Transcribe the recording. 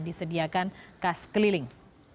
disediakan kas keliling